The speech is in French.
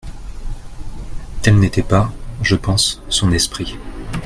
Tel n’était pas, je pense, son esprit.